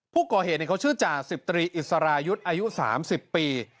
ผู้ก่อเหตุเขาชื่อจ่าสิบตรีอิสรายุทธ์อายุ๓๐ปี